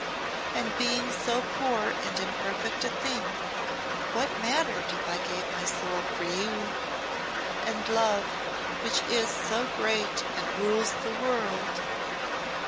And being so poor and imperfect a thing, what mattered if I gave my soul for you and love, which is so great, and rules the world.